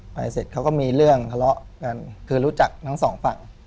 เสร็จเขาก็มีเรื่องทะเลาะกันคือรู้จักทั้งสองฝั่ง